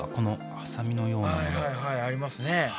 はいはいありますね